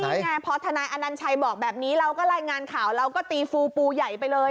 นี่ไงพอทนายอนัญชัยบอกแบบนี้เราก็รายงานข่าวเราก็ตีฟูปูใหญ่ไปเลย